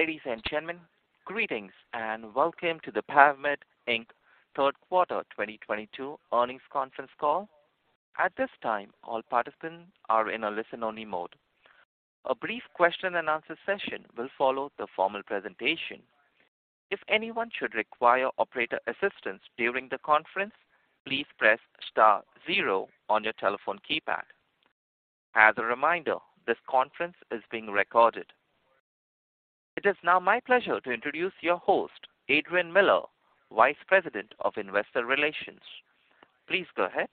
Ladies and gentlemen, greetings and welcome to the PAVmed Inc. third quarter 2022 earnings conference call. At this time, all participants are in a listen-only mode. A brief question and answer session will follow the formal presentation. If anyone should require operator assistance during the conference, please press star zero on your telephone keypad. As a reminder, this conference is being recorded. It is now my pleasure to introduce your host, Adrian Miller, Vice President of Investor Relations. Please go ahead.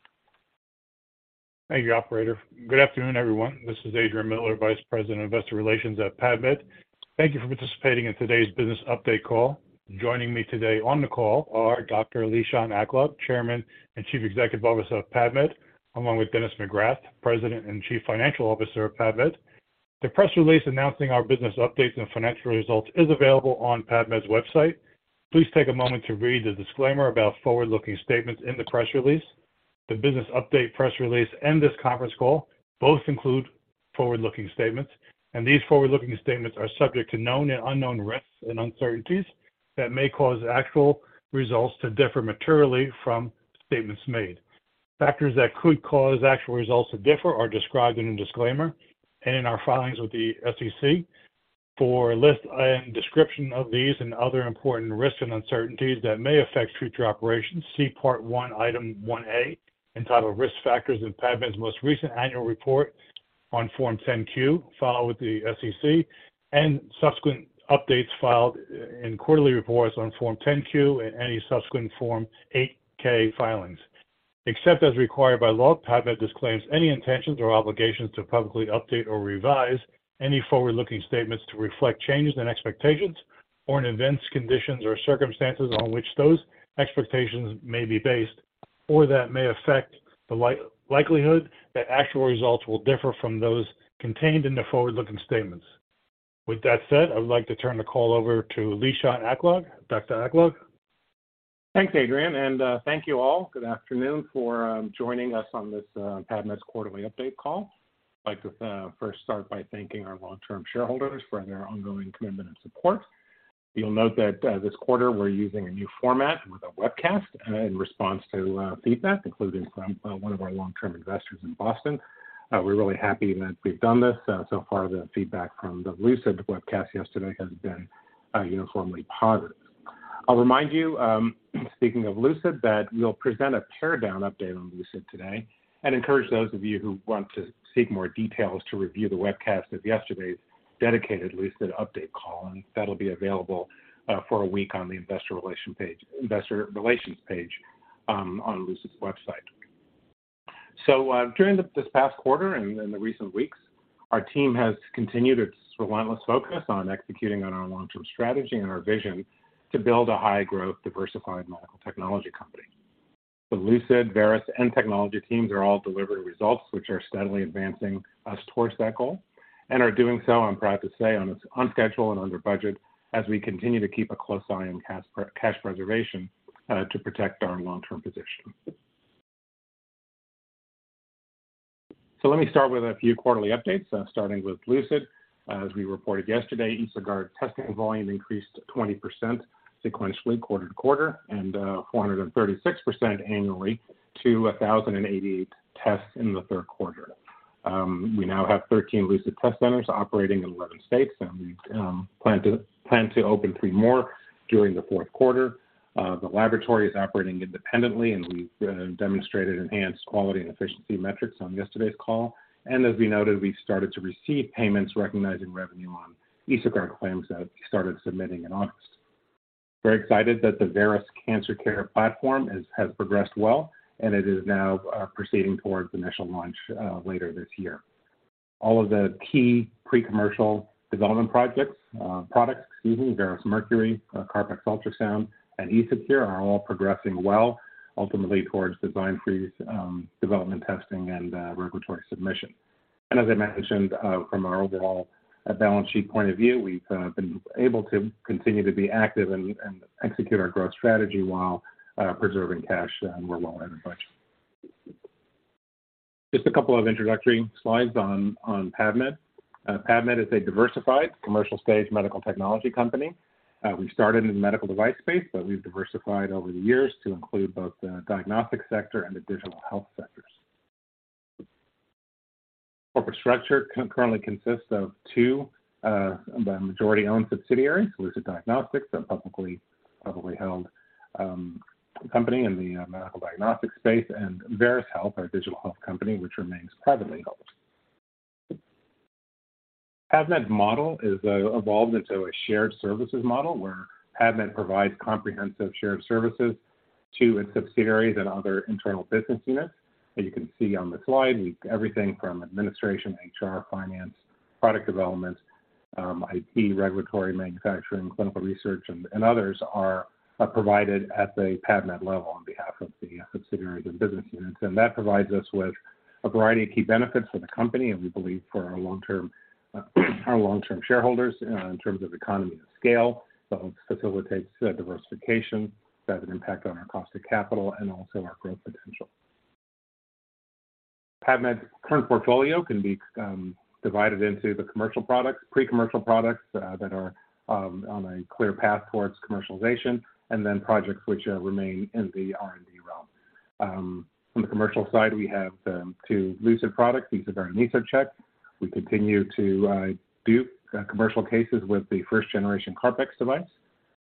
Thank you, operator. Good afternoon, everyone. This is Adrian Miller, Vice President, Investor Relations at PAVmed. Thank you for participating in today's business update call. Joining me today on the call are Dr. Lishan Aklog, Chairman and Chief Executive Officer of PAVmed, along with Dennis McGrath, President and Chief Financial Officer of PAVmed. The press release announcing our business updates and financial results is available on PAVmed's website. Please take a moment to read the disclaimer about forward-looking statements in the press release. The business update press release and this conference call both include forward-looking statements, and these forward-looking statements are subject to known and unknown risks and uncertainties that may cause actual results to differ materially from statements made. Factors that could cause actual results to differ are described in the disclaimer and in our filings with the SEC. For a list and description of these and other important risks and uncertainties that may affect future operations, see Part One, Item 1A, entitled Risk Factors in PAVmed's most recent annual report on Form 10-Q filed with the SEC, and subsequent updates filed in quarterly reports on Form 10-Q and any subsequent Form 8-K filings. Except as required by law, PAVmed disclaims any intentions or obligations to publicly update or revise any forward-looking statements to reflect changes in expectations or in events, conditions, or circumstances on which those expectations may be based, or that may affect the likelihood that actual results will differ from those contained in the forward-looking statements. With that said, I would like to turn the call over to Lishan Aklog. Dr. Aklog. Thanks, Adrian, and thank you all. Good afternoon for joining us on this PAVmed's quarterly update call. I'd like to first start by thanking our long-term shareholders for their ongoing commitment and support. You'll note that this quarter we're using a new format with a webcast in response to feedback, including from one of our long-term investors in Boston. We're really happy that we've done this. So far the feedback from the Lucid webcast yesterday has been uniformly positive. I'll remind you speaking of Lucid, that we'll present a tear down update on Lucid today and encourage those of you who want to seek more details to review the webcast of yesterday's dedicated Lucid update call. That'll be available for a week on the investor relations page on Lucid's website. During this past quarter and in the recent weeks, our team has continued its relentless focus on executing on our long-term strategy and our vision to build a high-growth, diversified medical technology company. The Lucid, Veris, and technology teams are all delivering results which are steadily advancing us towards that goal and are doing so, I'm proud to say, on schedule and under budget as we continue to keep a close eye on cash preservation to protect our long-term position. Let me start with a few quarterly updates, starting with Lucid. As we reported yesterday, EsoGuard testing volume increased 20% sequentially, quarter-over-quarter and 436% year-over-year to 1,088 tests in the third quarter. We now have 13 Lucid test centers operating in 11 states, and we plan to open three more during the fourth quarter. The laboratory is operating independently, and we've demonstrated enhanced quality and efficiency metrics on yesterday's call. As we noted, we started to receive payments recognizing revenue on EsoGuard claims that we started submitting in August. Very excited that the Veris Cancer Care Platform has progressed well, and it is now proceeding towards initial launch later this year. All of the key pre-commercial development products, excuse me, Veris Mercury, CarpX Ultrasound, and EsoCure are all progressing well ultimately towards design freeze, development testing, and regulatory submission. As I mentioned, from our overall balance sheet point of view, we've been able to continue to be active and execute our growth strategy while preserving cash, and we're well under budget. Just a couple of introductory slides on PAVmed. PAVmed is a diversified commercial stage medical technology company. We started in the medical device space, but we've diversified over the years to include both the diagnostic sector and the digital health sectors. Corporate structure currently consists of two majority-owned subsidiaries, Lucid Diagnostics, a publicly held company in the medical diagnostics space, and Veris Health, our digital health company, which remains privately held. PAVmed's model is evolved into a shared services model where PAVmed provides comprehensive shared services to its subsidiaries and other internal business units. As you can see on the slide, we have everything from administration, HR, finance, product development, IT, regulatory, manufacturing, clinical research, and others are provided at the PAVmed level on behalf of the subsidiaries and business units. That provides us with a variety of key benefits for the company and we believe for our long-term shareholders in terms of economies of scale. It facilitates diversification, has an impact on our cost of capital and also our growth potential. PAVmed's current portfolio can be divided into the commercial products, pre-commercial products that are on a clear path towards commercialization, and then projects which remain in the R&D realm. From the commercial side, we have two Lucid products. These are our EsoCheck. We continue to do commercial cases with the first-generation CarpX device.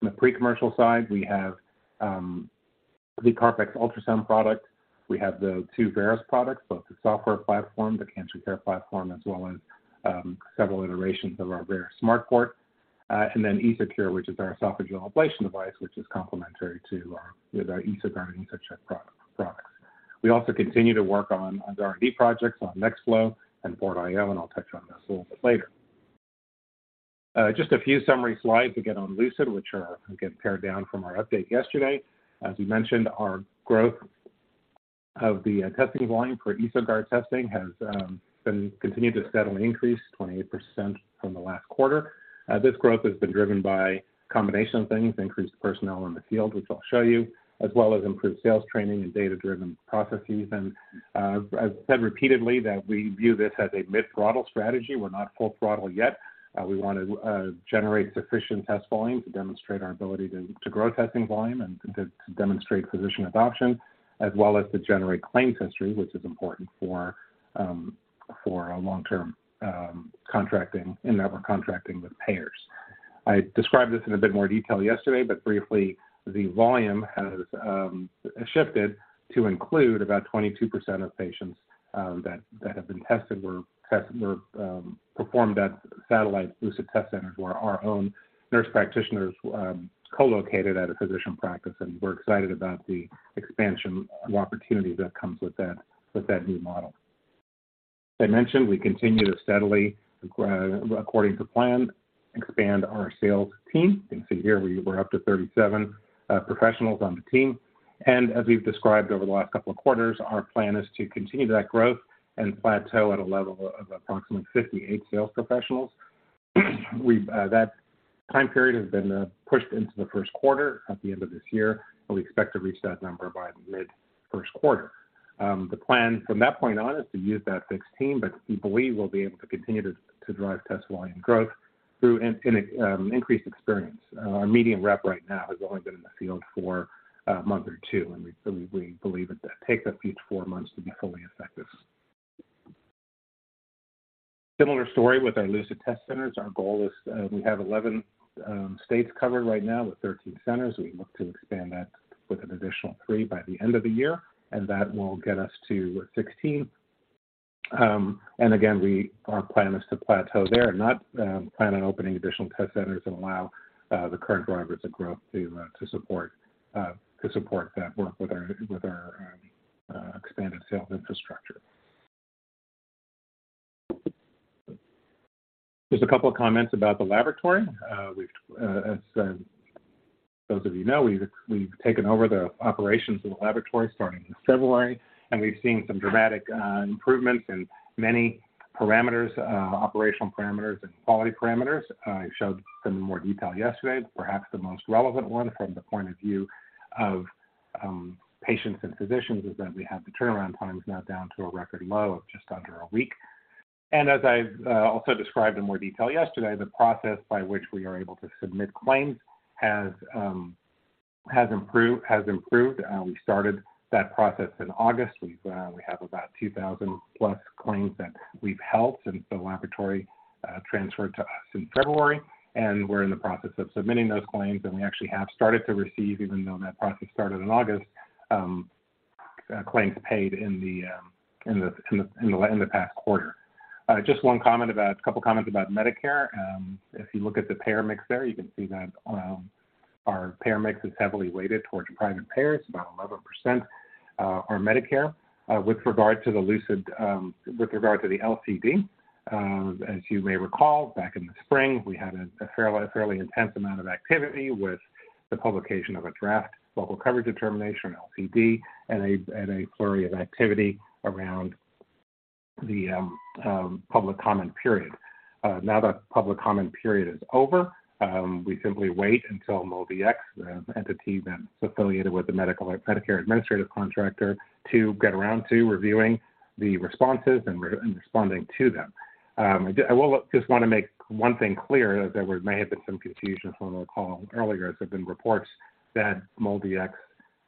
On the pre-commercial side, we have the CarpX Ultrasound product. We have the two Veris products, both the software platform, the cancer care platform, as well as several iterations of our Veris SmartPort. Then EsoCure, which is our esophageal ablation device, which is complementary with our EsoGuard and EsoCheck products. We also continue to work on other R&D projects on NextFlo and PortIO, and I'll touch on this a little bit later. Just a few summary slides again on Lucid, which are again pared down from our update yesterday. As we mentioned, our growth of the testing volume for EsoGuard testing has been continued to steadily increase, 28% from the last quarter. This growth has been driven by a combination of things, increased personnel in the field, which I'll show you, as well as improved sales training and data-driven processes. I've said repeatedly that we view this as a mid-throttle strategy. We're not full throttle yet. We want to generate sufficient test volume to demonstrate our ability to grow testing volume and to demonstrate physician adoption as well as to generate claims history, which is important for our long-term contracting and network contracting with payers. I described this in a bit more detail yesterday, but briefly, the volume has shifted to include about 22% of patients that have been tested were performed at satellite Lucid test centers, where our own nurse practitioners co-located at a physician practice. We're excited about the expansion of opportunity that comes with that with that new model. As I mentioned, we continue to steadily grow according to plan, expand our sales team. You can see here we're up to 37 professionals on the team. As we've described over the last couple of quarters, our plan is to continue that growth and plateau at a level of approximately 58 sales professionals. That time period has been pushed into the first quarter at the end of this year, but we expect to reach that number by mid-first quarter. The plan from that point on is to use that fixed team, but we believe we'll be able to continue to drive test volume growth through an increased experience. Our median rep right now has only been in the field for a month or two, and we believe it takes up to four months to be fully effective. Similar story with our Lucid test centers. Our goal is, we have 11 states covered right now with 13 centers. We look to expand that with an additional three by the end of the year, and that will get us to 16. Again, our plan is to plateau there and not plan on opening additional test centers and allow the current drivers of growth to support that work with our expanded sales infrastructure. Just a couple of comments about the laboratory. As those of you know, we've taken over the operations of the laboratory starting in February, and we've seen some dramatic improvements in many parameters, operational parameters and quality parameters. I showed some in more detail yesterday. Perhaps the most relevant one from the point of view of patients and physicians is that we have the turnaround times now down to a record low of just under a week. As I've also described in more detail yesterday, the process by which we are able to submit claims has improved. We started that process in August. We have about 2,000 plus claims that we've held since the laboratory transferred to us in February. We're in the process of submitting those claims, and we actually have started to receive, even though that process started in August, claims paid in the past quarter. Just a couple comments about Medicare. If you look at the payer mix there, you can see that our payer mix is heavily weighted towards private payers. About 11% are Medicare. With regard to the LCD, as you may recall, back in the spring, we had a fairly intense amount of activity with the publication of a draft local coverage determination, LCD, and a flurry of activity around the public comment period. Now that public comment period is over, we simply wait until MolDX, the entity that's affiliated with the Medicare administrative contractor, to get around to reviewing the responses and responding to them. I will just wanna make one thing clear, that there may have been some confusion from the call earlier, as there've been reports that MolDX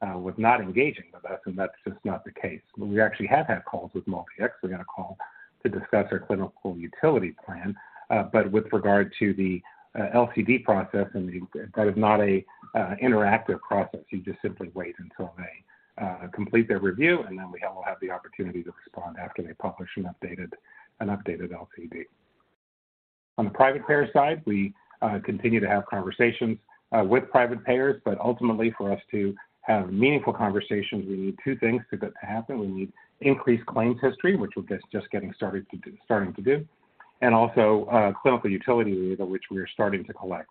was not engaging with us, and that's just not the case. We actually have had calls with MolDX. We got a call to discuss our clinical utility plan. With regard to the LCD process, that is not an interactive process. You just simply wait until they complete their review, and then we will have the opportunity to respond after they publish an updated LCD. On the private payer side, we continue to have conversations with private payers, but ultimately, for us to have meaningful conversations, we need two things to happen. We need increased claims history, which we're just getting started to do, and also clinical utility data, which we are starting to collect.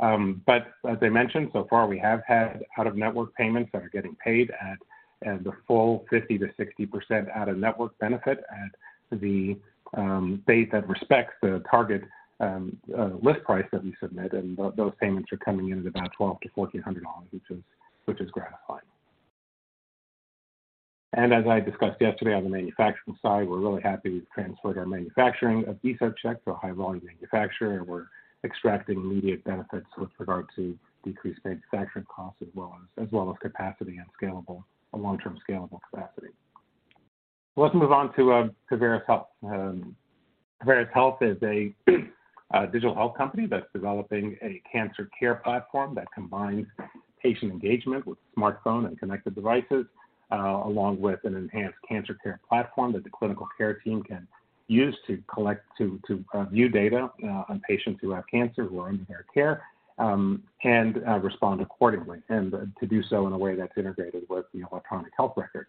As I mentioned, so far we have had out-of-network payments that are getting paid at the full 50%-60% out-of-network benefit at the rate that respects the target list price that we submit. Those payments are coming in at about $1,200-$1,400, which is gratifying. As I discussed yesterday, on the manufacturing side, we're really happy we've transferred our manufacturing of EsoCheck to a high-volume manufacturer, and we're extracting immediate benefits with regard to decreased manufacturing costs as well as capacity and a long-term scalable capacity. Let's move on to Veris Health. Veris Health is a digital health company that's developing a cancer care platform that combines patient engagement with smartphone and connected devices along with an enhanced cancer care platform that the clinical care team can use to view data on patients who have cancer who are under their care and respond accordingly, and to do so in a way that's integrated with the electronic health record.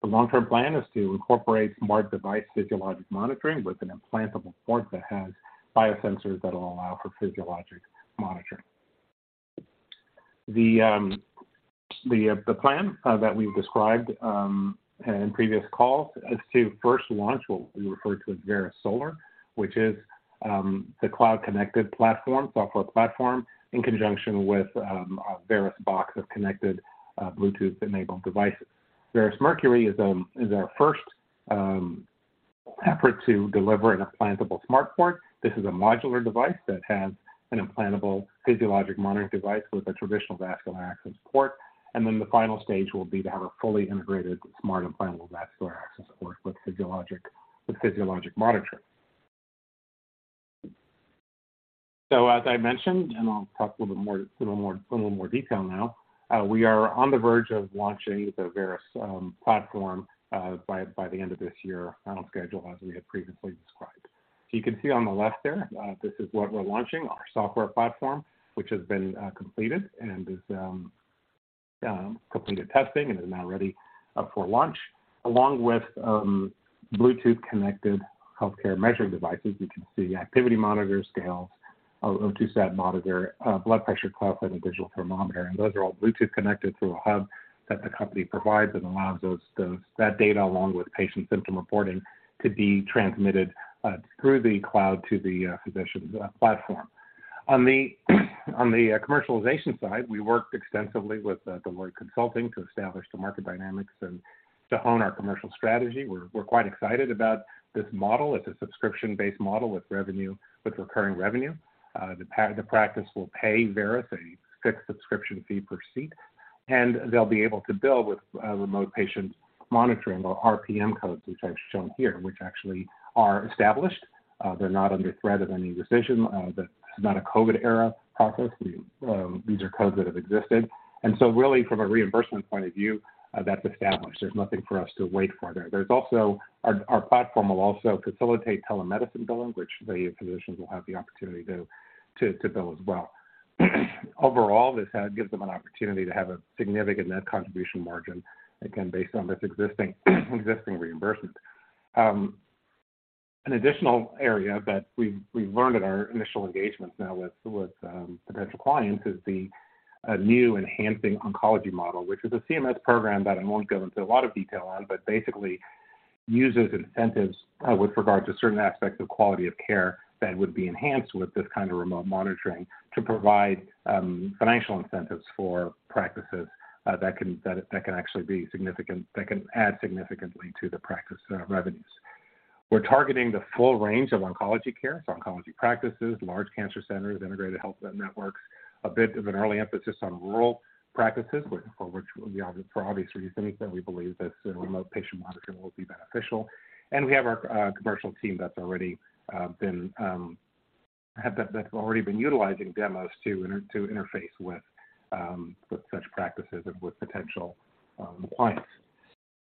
The long-term plan is to incorporate smart device physiologic monitoring with an implantable port that has biosensors that'll allow for physiologic monitoring. The plan that we've described in previous calls is to first launch what we refer to as Veris Solar, which is the cloud-connected platform, software platform in conjunction with a Veris box of connected Bluetooth-enabled devices. Veris Mercury is our first effort to deliver an implantable smart port. This is a modular device that has an implantable physiologic monitoring device with a traditional vascular access port. The final stage will be to have a fully integrated smart implantable vascular access port with physiologic monitoring. As I mentioned, and I'll talk a little bit more in a little more detail now, we are on the verge of launching the Veris platform by the end of this year on schedule as we had previously described. You can see on the left there, this is what we're launching, our software platform, which has been completed and is completed testing and is now ready for launch, along with Bluetooth-connected healthcare measuring devices. You can see activity monitors, scales, a O2 sat monitor, a blood pressure cuff, and a digital thermometer. Those are all Bluetooth-connected through a hub that the company provides and allows that data, along with patient symptom reporting, to be transmitted through the cloud to the physician's platform. On the commercialization side, we worked extensively with Deloitte Consulting to establish the market dynamics and to hone our commercial strategy. We're quite excited about this model. It's a subscription-based model with revenue, with recurring revenue. The practice will pay Veris a fixed subscription fee per seat, and they'll be able to bill with remote patient monitoring or RPM codes, which I've shown here, which actually are established. They're not under threat of any decision. That is not a COVID-era process. These are codes that have existed. Really from a reimbursement point of view, that's established. There's nothing for us to wait for there. Our platform will also facilitate telemedicine billing, which the physicians will have the opportunity to bill as well. Overall, this gives them an opportunity to have a significant net contribution margin, again, based on this existing reimbursement. An additional area that we've learned in our initial engagements now with potential clients is the new Enhancing Oncology Model, which is a CMS program that I won't go into a lot of detail on, but basically uses incentives with regard to certain aspects of quality of care that would be enhanced with this kind of remote monitoring to provide financial incentives for practices that can actually be significant, that can add significantly to the practice revenues. We're targeting the full range of oncology care, so oncology practices, large cancer centers, integrated health networks. A bit of an early emphasis on rural practices which for obvious reasons we think that we believe this remote patient monitoring will be beneficial. We have our commercial team that's already been utilizing demos to interface with such practices and with potential clients.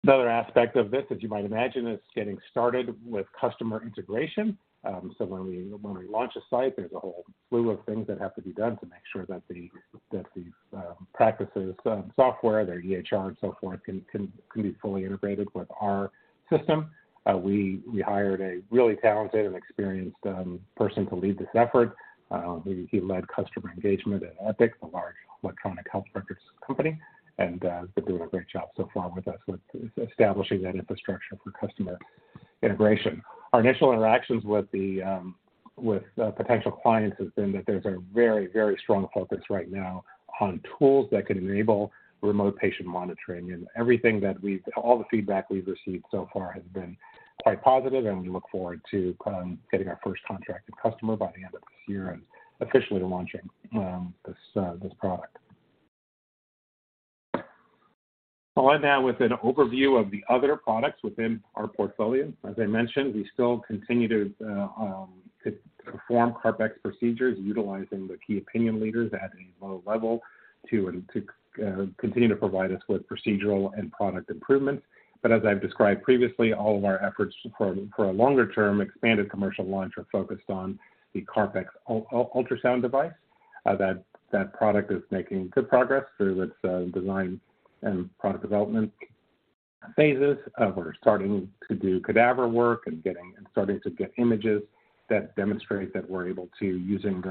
Another aspect of this, as you might imagine, is getting started with customer integration. When we launch a site, there's a whole slew of things that have to be done to make sure that these practices software, their EHR and so forth can be fully integrated with our system. We hired a really talented and experienced person to lead this effort. He led customer engagement at Epic, the large electronic health records company, and has been doing a great job so far with us with establishing that infrastructure for customer integration. Our initial interactions with potential clients has been that there's a very strong focus right now on tools that can enable remote patient monitoring. All the feedback we've received so far has been quite positive, and we look forward to getting our first contracted customer by the end of this year and officially launching this product. I'll end now with an overview of the other products within our portfolio. As I mentioned, we still continue to perform CarpX procedures utilizing the key opinion leaders at a low level to continue to provide us with procedural and product improvements. As I've described previously, all of our efforts for a longer-term expanded commercial launch are focused on the CarpX Ultrasound device. That product is making good progress through its design and product development phases. We're starting to do cadaver work and starting to get images that demonstrate that we're able to, using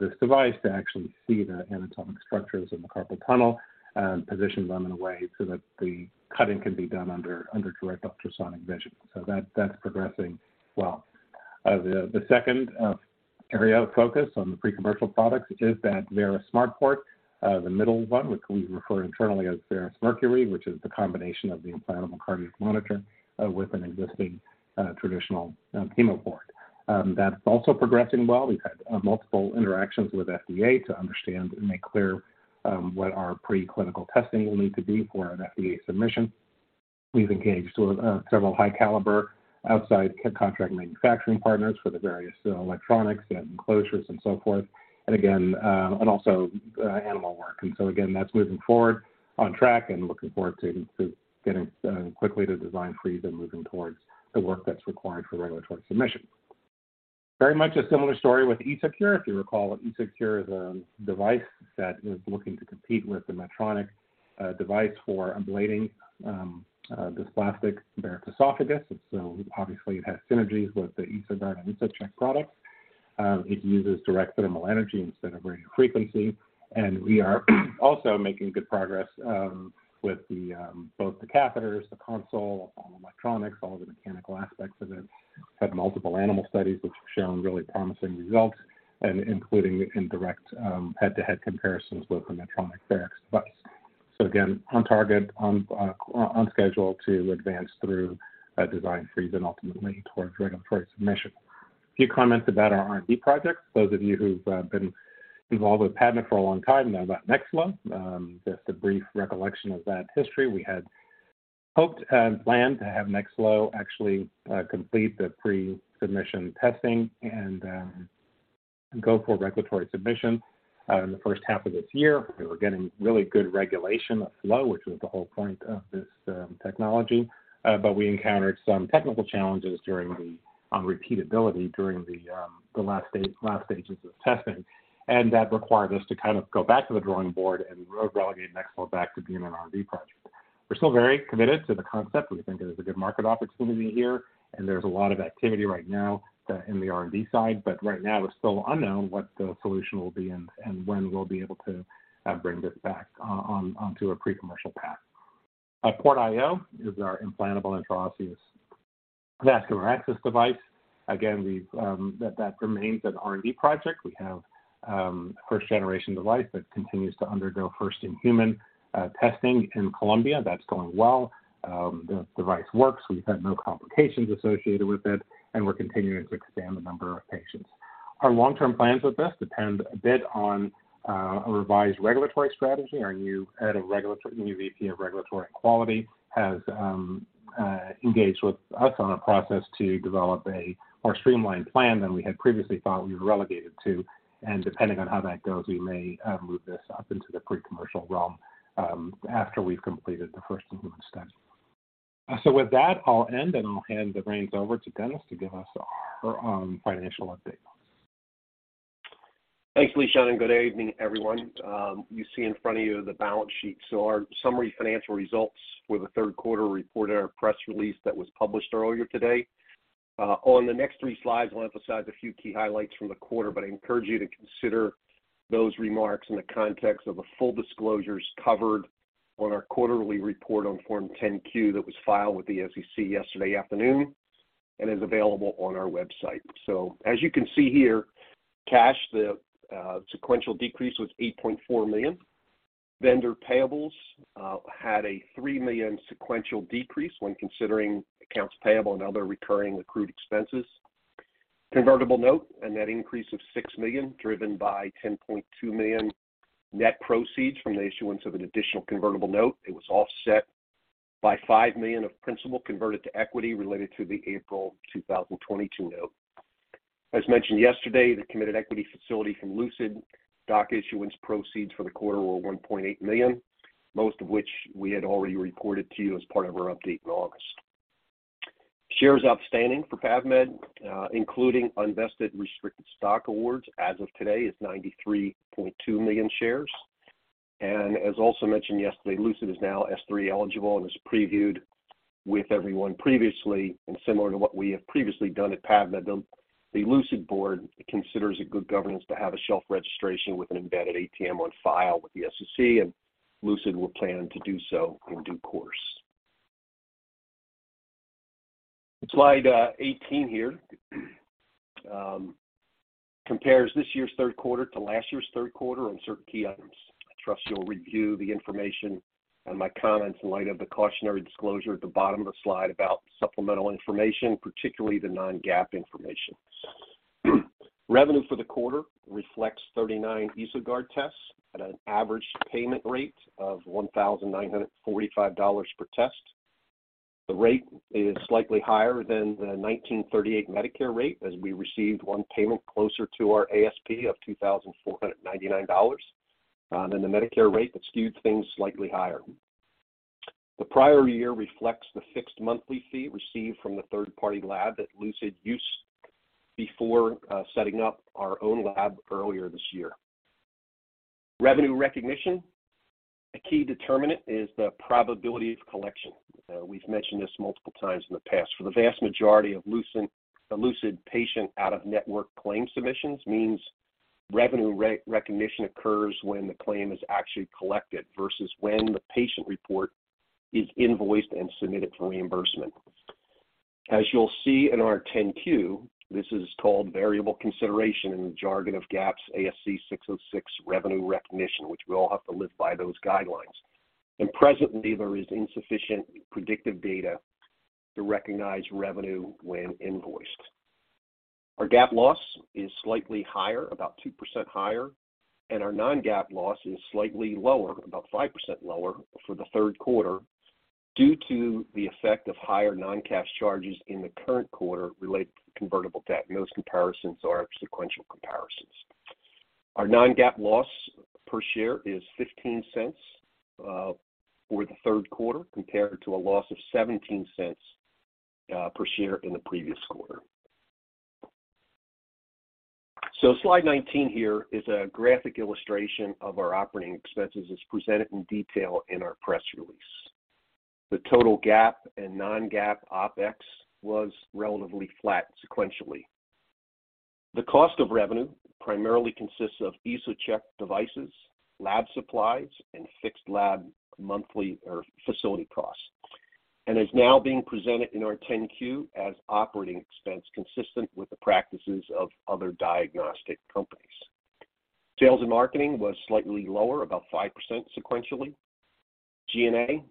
this device, to actually see the anatomic structures in the carpal tunnel and position them in a way so that the cutting can be done under direct ultrasonic vision. That's progressing well. The second area of focus on the pre-commercial products is that Veris SmartPort, the middle one, which we refer internally as Veris Mercury, which is the combination of the implantable cardiac monitor with an existing traditional chemo port. That's also progressing well. We've had multiple interactions with FDA to understand and make clear what our preclinical testing will need to be for an FDA submission. We've engaged with several high caliber outside contract manufacturing partners for the various electronics and enclosures and so forth, and also animal work. Again, that's moving forward on track and looking forward to getting quickly to design freeze and moving towards the work that's required for regulatory submission. Very much a similar story with EsoCure. If you recall, EsoCure is a device that is looking to compete with the Medtronic device for ablating dysplastic Barrett's esophagus. Obviously it has synergies with the EsoGuard and EsoCheck products. It uses direct thermal energy instead of radio frequency. We are also making good progress with both the catheters, the console, all the electronics, all the mechanical aspects of it. Had multiple animal studies which have shown really promising results and including in direct head-to-head comparisons with the Medtronic Barrett's device. Again, on target, on schedule to advance through design freeze and ultimately towards regulatory submission. A few comments about our R&D projects. Those of you who've been involved with PAVmed for a long time know about NextFlo. Just a brief recollection of that history. We had hoped and planned to have NextFlo actually complete the pre-submission testing and go for regulatory submission in the first half of this year. We were getting really good flow regulation, which was the whole point of this technology. We encountered some technical challenges on repeatability during the last stages of testing. That required us to kind of go back to the drawing board and relegate NextFlo back to being an R&D project. We're still very committed to the concept. We think there's a good market opportunity here, and there's a lot of activity right now in the R&D side. Right now it's still unknown what the solution will be and when we'll be able to bring this back onto a pre-commercial path. PortIO is our implantable intraosseous vascular access device. Again, that remains an R&D project. We have a first generation device that continues to undergo first in-human testing in Colombia. That's going well. The device works. We've had no complications associated with it, and we're continuing to expand the number of patients. Our long-term plans with this depend a bit on a revised regulatory strategy. Our new VP of Regulatory Quality has engaged with us on a process to develop a more streamlined plan than we had previously thought we were relegated to. Depending on how that goes, we may move this up into the pre-commercial realm after we've completed the first in-human study. With that, I'll end, and I'll hand the reins over to Dennis to give us our financial update. Thanks, Lishan, and good evening, everyone. You see in front of you the balance sheet. Our summary financial results for the third quarter are reported in our press release that was published earlier today. On the next three slides, I'll emphasize a few key highlights from the quarter, but I encourage you to consider those remarks in the context of the full disclosures covered on our quarterly report on Form 10-Q that was filed with the SEC yesterday afternoon and is available on our website. As you can see here, cash, the sequential decrease was $8.4 million. Vendor payables had a $3 million sequential decrease when considering accounts payable and other recurring accrued expenses. Convertible note, a net increase of $6 million driven by $10.2 million net proceeds from the issuance of an additional convertible note. It was offset by $5 million of principal converted to equity related to the April 2022 note. As mentioned yesterday, the committed equity facility from Lucid, stock issuance proceeds for the quarter were $1.8 million, most of which we had already reported to you as part of our update in August. Shares outstanding for PAVmed, including unvested restricted stock awards, as of today is 93.2 million shares. As also mentioned yesterday, Lucid is now S-3 eligible and is previewed with everyone previously. Similar to what we have previously done at PAVmed, the Lucid board considers a good governance to have a shelf registration with an embedded ATM on file with the SEC, and Lucid will plan to do so in due course. Slide 18 here compares this year's third quarter to last year's third quarter on certain key items. I trust you'll review the information and my comments in light of the cautionary disclosure at the bottom of the slide about supplemental information, particularly the non-GAAP information. Revenue for the quarter reflects 39 EsoGuard tests at an average payment rate of $1,945 per test. The rate is slightly higher than the $1,938 Medicare rate, as we received one payment closer to our ASP of $2,499 than the Medicare rate that skewed things slightly higher. The prior year reflects the fixed monthly fee received from the third-party lab that Lucid used before setting up our own lab earlier this year. Revenue recognition. A key determinant is the probability of collection. We've mentioned this multiple times in the past. For the vast majority of Lucid patient out-of-network claim submissions means revenue recognition occurs when the claim is actually collected versus when the patient report Is invoiced and submitted for reimbursement. As you'll see in our 10-Q, this is called variable consideration in the jargon of GAAP ASC 606 revenue recognition, which we all have to live by those guidelines. Presently, there is insufficient predictive data to recognize revenue when invoiced. Our GAAP loss is slightly higher, about 2% higher, and our non-GAAP loss is slightly lower, about 5% lower for the third quarter due to the effect of higher non-cash charges in the current quarter related to convertible debt. Those comparisons are sequential comparisons. Our non-GAAP loss per share is $0.15 for the third quarter, compared to a loss of $0.17 per share in the previous quarter. Slide 19 here is a graphic illustration of our operating expenses as presented in detail in our press release. The total GAAP and non-GAAP OpEx was relatively flat sequentially. The cost of revenue primarily consists of EsoCheck devices, lab supplies, and fixed lab monthly or facility costs, and is now being presented in our 10-Q as operating expense consistent with the practices of other diagnostic companies. Sales and marketing was slightly lower, about 5% sequentially. G&A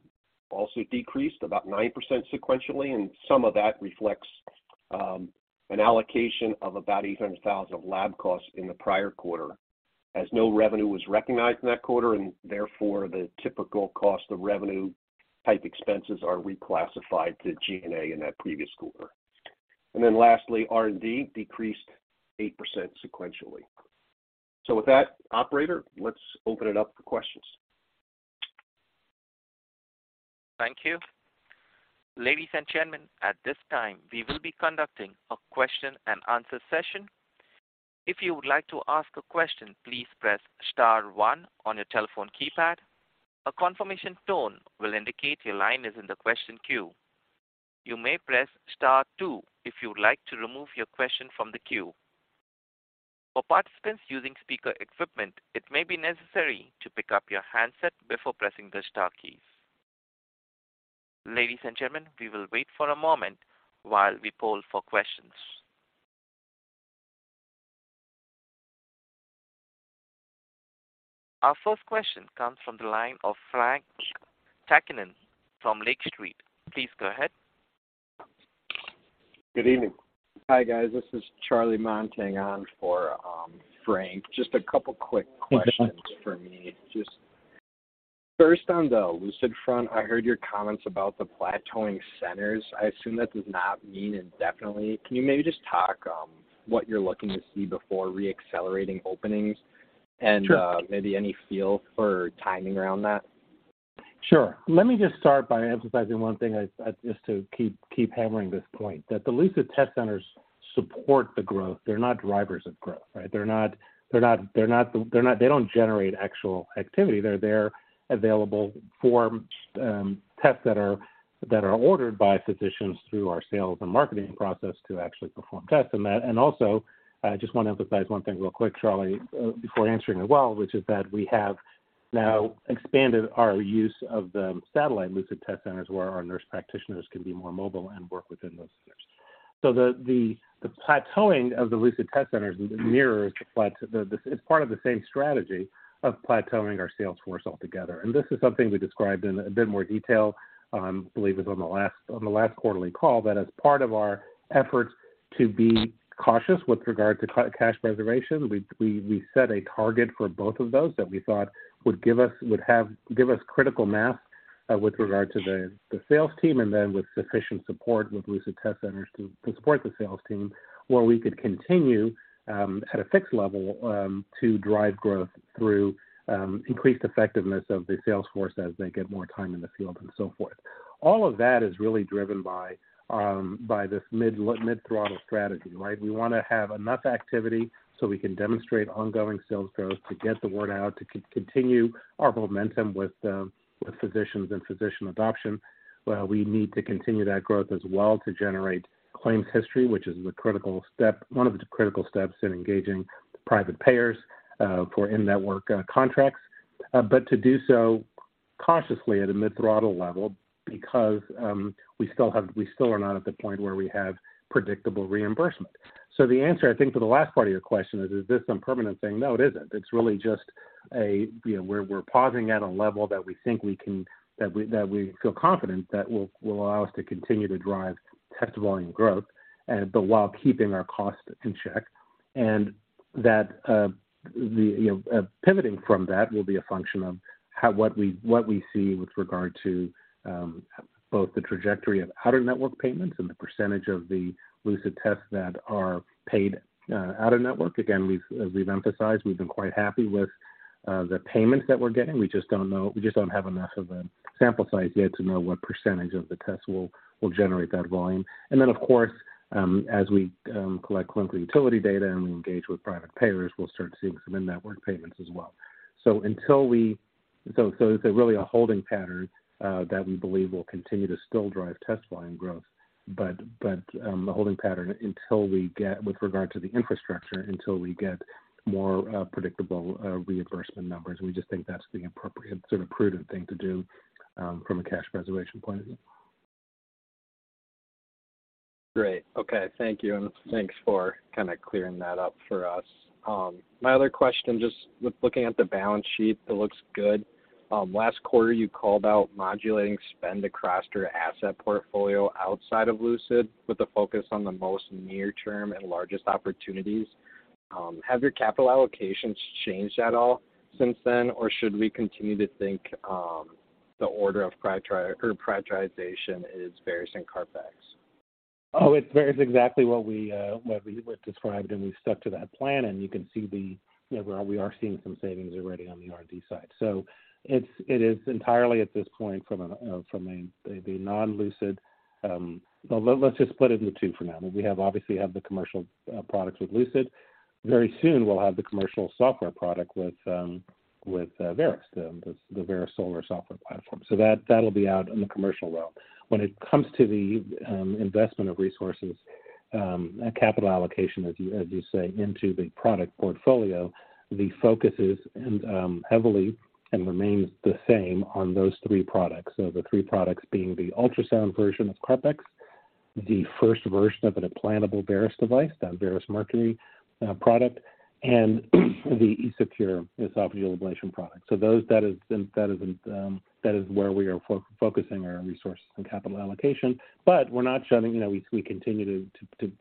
also decreased about 9% sequentially, and some of that reflects an allocation of about $800,000 of lab costs in the prior quarter as no revenue was recognized in that quarter and therefore the typical cost of revenue type expenses are reclassified to G&A in that previous quarter. R&D decreased 8% sequentially. With that operator, let's open it up for questions. Thank you. Ladies and gentlemen, at this time we will be conducting a question and answer session. If you would like to ask a question, please press star one on your telephone keypad. A confirmation tone will indicate your line is in the question queue. You may press star two if you would like to remove your question from the queue. For participants using speaker equipment, it may be necessary to pick up your handset before pressing the star keys. Ladies and gentlemen, we will wait for a moment while we poll for questions. Our first question comes from the line of Frank Takkinen from Lake Street. Please go ahead. Good evening. Hi, guys. This is Charlie Montang on for Frank. Just a couple quick questions for me. Just first on the Lucid front, I heard your comments about the plateauing centers. I assume that does not mean indefinitely. Can you maybe just talk what you're looking to see before re-accelerating openings and maybe any feel for timing around that? Sure. Let me just start by emphasizing one thing, just to keep hammering this point, that the Lucid test centers support the growth. They're not drivers of growth, right? They're not. They don't generate actual activity. They're there available for tests that are ordered by physicians through our sales and marketing process to actually perform tests. Also, I just want to emphasize one thing real quick, Charlie, before answering as well, which is that we have now expanded our use of the satellite Lucid test centers, where our nurse practitioners can be more mobile and work within those centers. The plateauing of the Lucid test centers mirrors. It's part of the same strategy of plateauing our sales force altogether. This is something we described in a bit more detail, I believe it was on the last quarterly call, that as part of our efforts to be cautious with regard to cash preservation, we set a target for both of those that we thought would give us critical mass with regard to the sales team and then with sufficient support with Lucid test centers to support the sales team, where we could continue at a fixed level to drive growth through increased effectiveness of the sales force as they get more time in the field and so forth. All of that is really driven by this mid-throttle strategy, right? We wanna have enough activity so we can demonstrate ongoing sales growth to get the word out, to continue our momentum with physicians and physician adoption, where we need to continue that growth as well to generate claims history, which is a critical step, one of the critical steps in engaging private payers for in-network contracts. To do so cautiously at a mid-throttle level because we still are not at the point where we have predictable reimbursement. The answer, I think, to the last part of your question is this some permanent thing? No, it isn't. It's really just a, you know, we're pausing at a level that we feel confident that will allow us to continue to drive test volume growth, but while keeping our costs in check, and that, you know, pivoting from that will be a function of what we see with regard to both the trajectory of out-of-network payments and the percentage of the Lucid tests that are paid out-of-network. Again, as we've emphasized, we've been quite happy with the payments that we're getting. We just don't have enough of a sample size yet to know what percentage of the tests will generate that volume. Of course, as we collect clinical utility data and we engage with private payers, we'll start seeing some in-network payments as well. It's really a holding pattern that we believe will continue to still drive test volume growth. The holding pattern until we get with regard to the infrastructure, until we get more predictable reimbursement numbers, we just think that's the appropriate sort of prudent thing to do from a cash preservation point of view. Great. Okay. Thank you, and thanks for kind of clearing that up for us. My other question, just with looking at the balance sheet, it looks good. Last quarter you called out modulating spend across your asset portfolio outside of Lucid with a focus on the most near term and largest opportunities. Have your capital allocations changed at all since then, or should we continue to think the order of prioritization is Veris and CarpX? Oh, it's Veris exactly what we described, and we've stuck to that plan, and you can see, you know, where we are seeing some savings already on the R&D side. It is entirely at this point from the non-Lucid. Well, let's just put it in the two for now. We obviously have the commercial products with Lucid. Very soon, we'll have the commercial software product with Veris, the Veris Solar software platform. That'll be out in the commercial realm. When it comes to the investment of resources, capital allocation, as you say, into the product portfolio, the focus is heavily and remains the same on those three products. The three products being the ultrasound version of CarpX, the first version of an implantable Veris device, that Veris Mercury product, and the EsoCure esophageal ablation product. Those, that is where we are focusing our resources and capital allocation. We're not shutting, you know, we continue to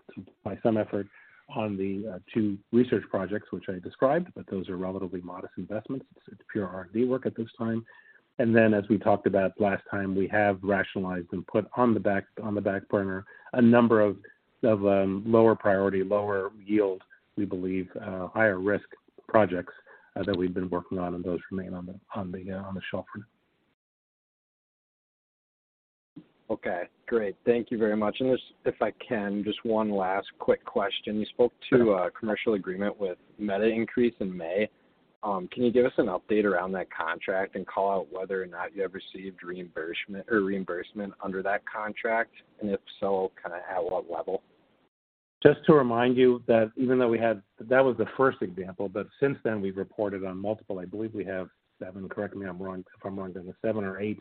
apply some effort on the two research projects which I described, but those are relatively modest investments. It's pure R&D work at this time. Then as we talked about last time, we have rationalized and put on the back burner a number of lower priority, lower yield, we believe, higher risk projects that we've been working on, and those remain on the shelf. Okay, great. Thank you very much. Just if I can, just one last quick question. Sure. You spoke to a commercial agreement with MediNcrease in May. Can you give us an update around that contract and call out whether or not you have received reimbursement under that contract, and if so, kind of at what level? Just to remind you, that was the first example, but since then we've reported on multiple. I believe we have 7. Correct me if I'm wrong, then the seven or eight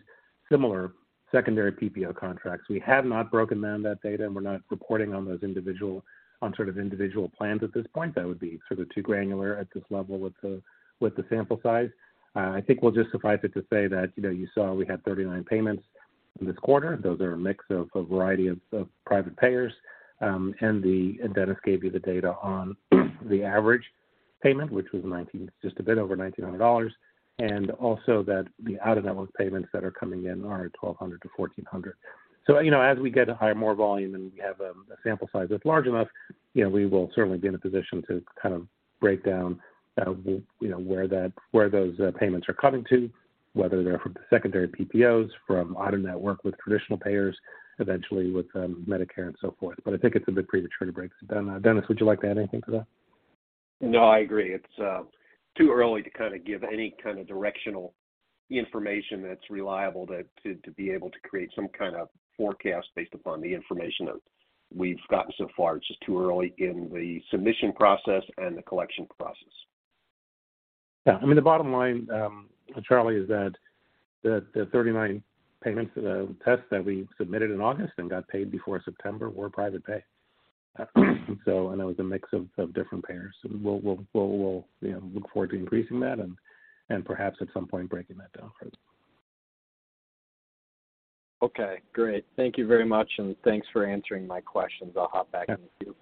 similar secondary PPO contracts. We have not broken down that data, and we're not reporting on those individual plans at this point. That would be sort of too granular at this level with the sample size. I think we'll just suffice it to say that, you know, you saw we had 39 payments in this quarter. Those are a mix of a variety of private payers. Dennis gave you the data on the average payment, which was just a bit over $1,900. Also that the out-of-network payments that are coming in are $1,200-$1,400. You know, as we get higher, more volume and we have a sample size that's large enough, you know, we will certainly be in a position to kind of break down, you know, where that, where those payments are coming to, whether they're from secondary PPO from out-of-network with traditional payers, eventually with Medicare and so forth. I think it's a bit premature to break. Dennis, would you like to add anything to that? No, I agree. It's too early to kind of give any kind of directional information that's reliable to be able to create some kind of forecast based upon the information that we've gotten so far. It's just too early in the submission process and the collection process. Yeah. I mean, the bottom line, Charlie, is that the 39 payments, the tests that we submitted in August and got paid before September were private pay. It was a mix of different payers. We'll you know, look forward to increasing that and perhaps at some point breaking that down further. Okay, great. Thank you very much, and thanks for answering my questions. Yeah. I'll hop back in the queue.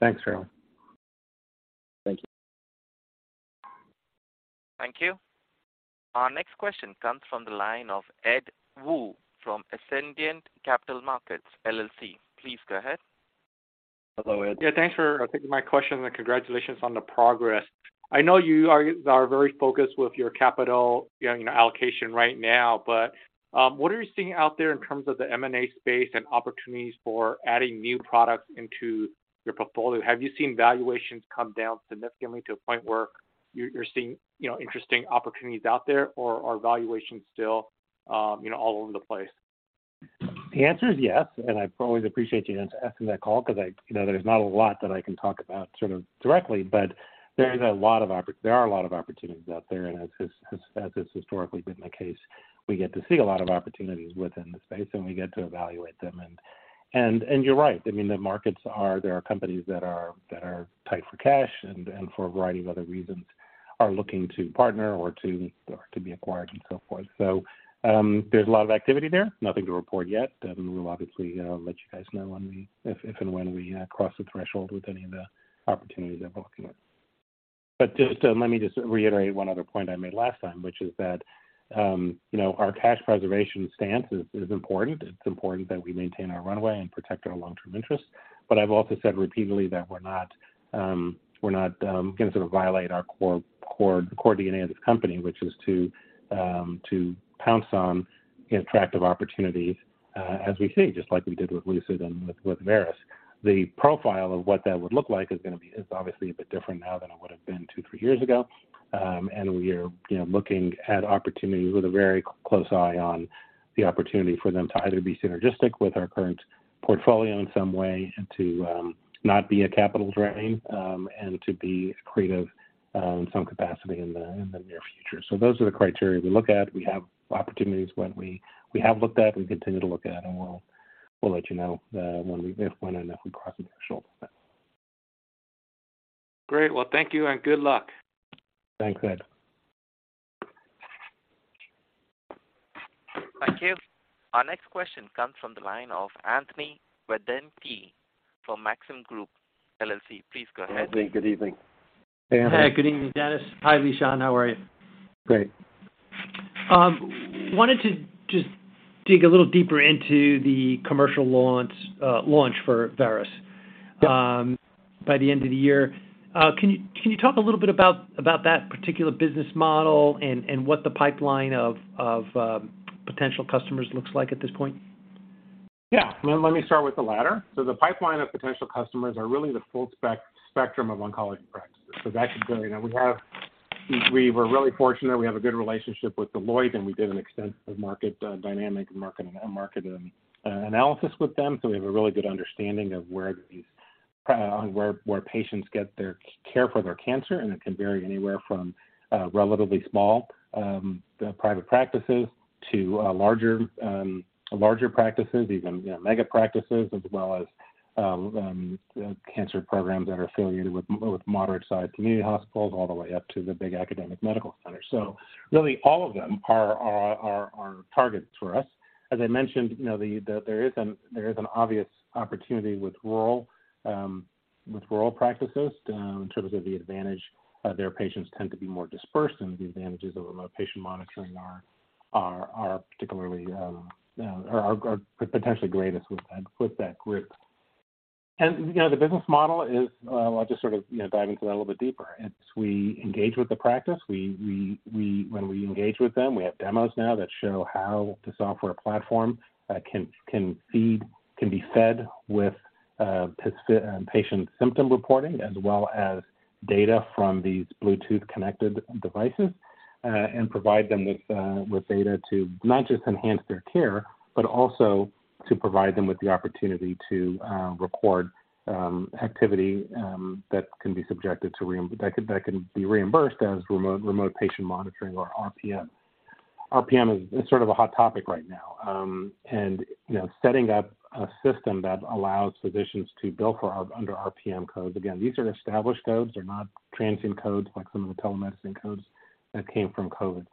Thanks, Charlie. Thank you. Thank you. Our next question comes from the line of Edward Woo from Ascendiant Capital Markets LLC. Please go ahead. Hello, Ed. Yeah. Thanks for taking my question, and congratulations on the progress. I know you are very focused with your capital, you know, allocation right now, but what are you seeing out there in terms of the M&A space and opportunities for adding new products into your portfolio? Have you seen valuations come down significantly to a point where you're seeing, you know, interesting opportunities out there, or are valuations still, you know, all over the place? The answer is yes, and I always appreciate you asking that call because I, you know, there's not a lot that I can talk about sort of directly. There are a lot of opportunities out there, and as has historically been the case, we get to see a lot of opportunities within the space, and we get to evaluate them. You're right. I mean, the markets are. There are companies that are tight for cash and for a variety of other reasons are looking to partner or to be acquired and so forth. There's a lot of activity there. Nothing to report yet. We'll obviously, you know, let you guys know when we. If and when we cross the threshold with any of the opportunities that we're looking at. Just let me just reiterate one other point I made last time, which is that, you know, our cash preservation stance is important. It's important that we maintain our runway and protect our long-term interests. I've also said repeatedly that we're not gonna sort of violate our core DNA of this company, which is to pounce on attractive opportunities as we see, just like we did with Lucid and with Veris. The profile of what that would look like is obviously a bit different now than it would have been two, three years ago. We are, you know, looking at opportunities with a very close eye on the opportunity for them to either be synergistic with our current portfolio in some way and to not be a capital drain and to be accretive in some capacity in the near future. Those are the criteria we look at. We have opportunities we have looked at and continue to look at, and we'll let you know when and if we cross the threshold. Great. Well, thank you, and good luck. Thanks, Ed. Thank you. Our next question comes from the line of Anthony Vendetti from Maxim Group LLC. Please go ahead. Anthony, good evening. Hey, Anthony. Hi. Good evening, Dennis. Hi, Lishan. How are you? Great. Wanted to just dig a little deeper into the commercial launch for Veris. Yeah. By the end of the year. Can you talk a little bit about that particular business model and what the pipeline of potential customers looks like at this point? Yeah. Let me start with the latter. The pipeline of potential customers are really the full spectrum of oncology practice. That should vary. Now, we were really fortunate. We have a good relationship with Deloitte, and we did an extensive market analysis with them, so we have a really good understanding of where these on where patients get their care for their cancer, and it can vary anywhere from relatively small private practices to larger larger practices, even, you know, mega practices as well as cancer programs that are affiliated with moderate-sized community hospitals all the way up to the big academic medical centers. Really all of them are targets for us. As I mentioned, you know, there is an obvious opportunity with rural practices in terms of the advantage, their patients tend to be more dispersed and the advantages of remote patient monitoring are particularly potentially greatest with that group. You know, the business model is, I'll just sort of, you know, dive into that a little bit deeper. It's we engage with the practice. When we engage with them, we have demos now that show how the software platform can be fed with patient symptom reporting as well as data from these Bluetooth-connected devices and provide them with data to not just enhance their care, but also to provide them with the opportunity to record activity that can be reimbursed as remote patient monitoring or RPM. RPM is sort of a hot topic right now. You know, setting up a system that allows physicians to bill under RPM codes, again, these are established codes. They're not transient codes like some of the telemedicine codes that came from COVID.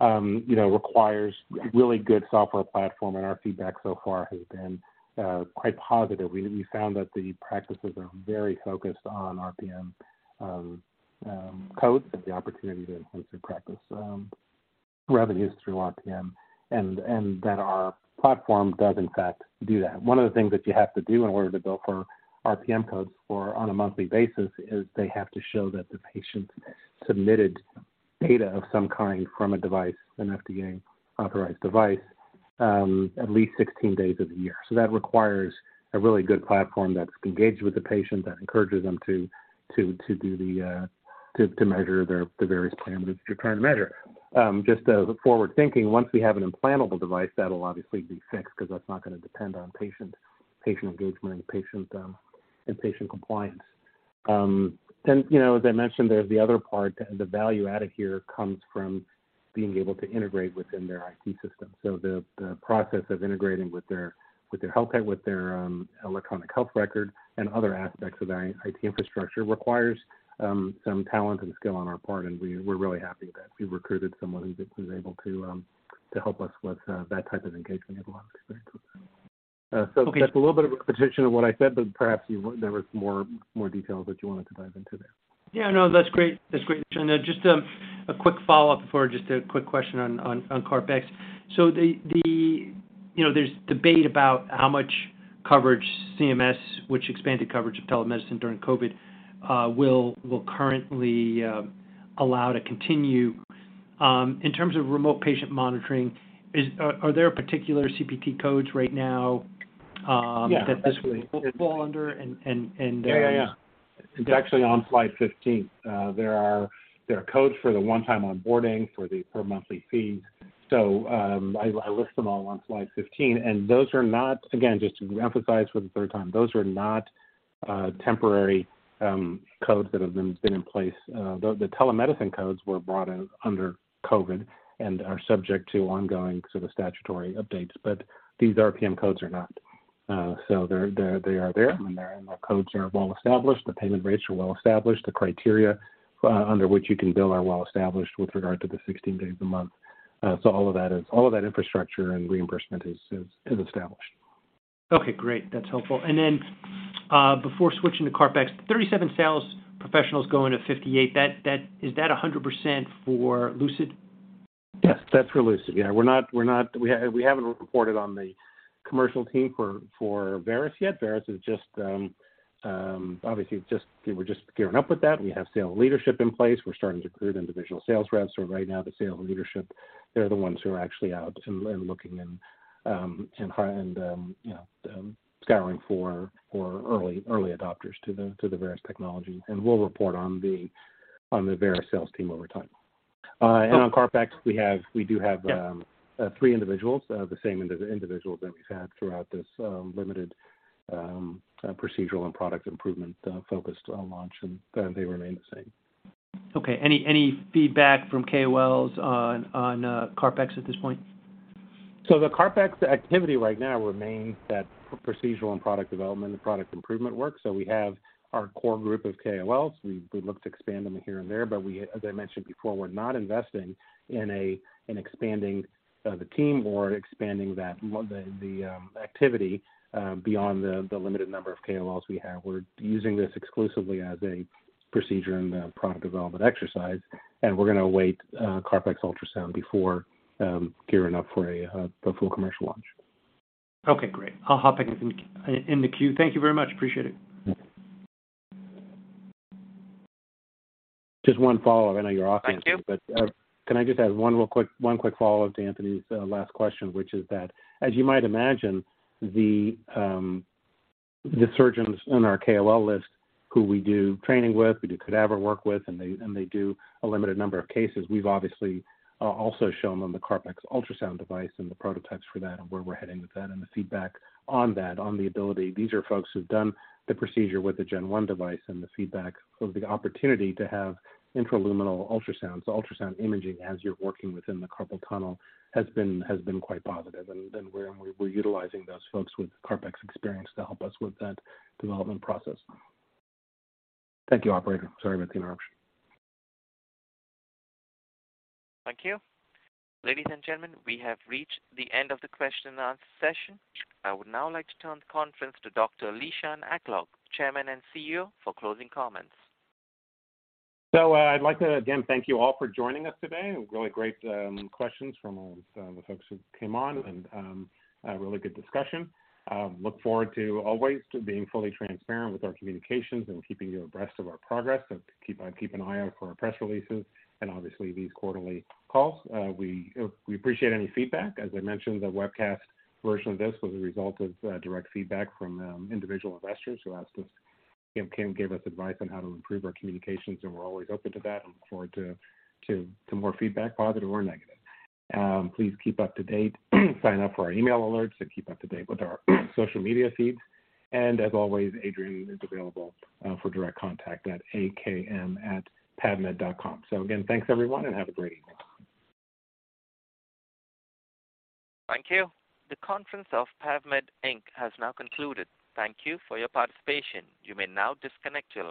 You know, requires really good software platform, and our feedback so far has been quite positive. We found that the practices are very focused on RPM codes and the opportunity to enhance their practice revenues through RPM and that our platform does in fact do that. One of the things that you have to do in order to bill for RPM codes on a monthly basis is they have to show that the patient submitted data of some kind from a device, an FDA-authorized device, at least 16 days of the year. That requires a really good platform that's engaged with the patient, that encourages them to measure the various parameters you're trying to measure. Just forward-thinking, once we have an implantable device, that'll obviously be fixed because that's not gonna depend on patient engagement and patient compliance. You know, as I mentioned, there's the other part. The value added here comes from being able to integrate within their IT system. The process of integrating with their electronic health record and other aspects of their IT infrastructure requires some talent and skill on our part, and we're really happy that we recruited someone who's able to help us with that type of engagement and has a lot of experience with that. Okay. That's a little bit of repetition of what I said, but perhaps there was more details that you wanted to dive into there. Yeah. No, that's great. That's great. Then just a quick follow-up before just a quick question on CarpX. So, you know, there's debate about how much coverage CMS, which expanded coverage of telemedicine during COVID, will currently allow to continue. In terms of remote patient monitoring, are there particular CPT codes right now? Yeah. Absolutely. That this will fall under and. Yeah, yeah. It's actually on slide 15. There are codes for the one-time onboarding, for the per monthly fee. So, I list them all on slide 15, and those are not. Again, just to emphasize for the third time, those are not temporary codes that have been in place. The telemedicine codes were brought in under COVID and are subject to ongoing sort of statutory updates, but these RPM codes are not. So they're there, and the codes are well established, the payment rates are well established, the criteria under which you can bill are well established with regard to the 16 days a month. So all of that infrastructure and reimbursement is established. Okay, great. That's helpful. Then, before switching to CarpX, 37 sales professionals going to 58, is that 100% for Lucid? Yes, that's for Lucid. Yeah, we're not. We haven't reported on the commercial team for Veris yet. Veris is just obviously. We're just gearing up with that. We have sales leadership in place. We're starting to recruit individual sales reps. Right now, the sales leadership, they're the ones who are actually out and looking and you know scouring for early adopters to the Veris technology. We'll report on the Veris sales team over time. Okay. On CarpX we do have. Yeah. Three individuals, the same individuals that we've had throughout this limited procedural and product improvement focused launch, and they remain the same. Okay. Any feedback from KOLs on CarpX at this point? The CarpX activity right now remains that procedural and product development and product improvement work. We have our core group of KOLs. We look to expand them here and there, but we, as I mentioned before, we're not investing in expanding the team or expanding that activity beyond the limited number of KOLs we have. We're using this exclusively as a procedure in the product development exercise, and we're gonna await CarpX Ultrasound before gearing up for the full commercial launch. Okay, great. I'll hop back in the queue. Thank you very much. Appreciate it. Just one follow-up. I know you're off- Thank you. Can I just add one real quick, one quick follow-up to Anthony's last question, which is that as you might imagine, the surgeons on our KOL list who we do training with, we do cadaver work with, and they do a limited number of cases, we've obviously also shown them the CarpX Ultrasound device and the prototypes for that and where we're heading with that and the feedback on that, on the ability. These are folks who've done the procedure with the gen one device and the feedback of the opportunity to have intraluminal ultrasounds, ultrasound imaging as you're working within the carpal tunnel has been quite positive. We're utilizing those folks with CarpX experience to help us with that development process. Thank you, operator. Sorry about the interruption. Thank you. Ladies and gentlemen, we have reached the end of the question and answer session. I would now like to turn the conference to Dr. Lishan Aklog, Chairman and CEO, for closing comments. I'd like to again thank you all for joining us today. Really great questions from all the folks who came on and a really good discussion. Look forward to always being fully transparent with our communications and keeping you abreast of our progress. Keep an eye out for our press releases and obviously these quarterly calls. We appreciate any feedback. As I mentioned, the webcast version of this was a result of direct feedback from individual investors who asked us, gave us advice on how to improve our communications, and we're always open to that and look forward to more feedback, positive or negative. Please keep up to date. Sign up for our email alerts, and keep up to date with our social media feeds. As always, Adrian is available for direct contact at AKM@PAVmed.com. Again, thanks everyone, and have a great evening. Thank you. The conference of PAVmed Inc. has now concluded. Thank you for your participation. You may now disconnect your line.